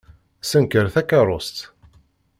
Ssenker takeṛṛust.